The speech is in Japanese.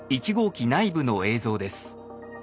１号機内部の映像です。